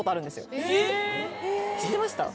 知ってました？